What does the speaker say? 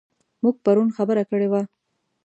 موږ پرون خبره کړې وه.